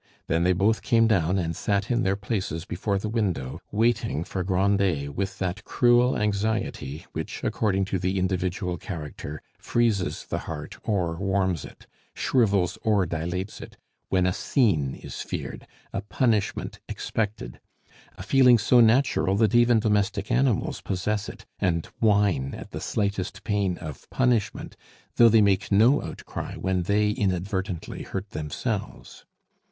Then they both came down and sat in their places before the window waiting for Grandet, with that cruel anxiety which, according to the individual character, freezes the heart or warms it, shrivels or dilates it, when a scene is feared, a punishment expected, a feeling so natural that even domestic animals possess it, and whine at the slightest pain of punishment, though they make no outcry when they inadvertently hurt themselves.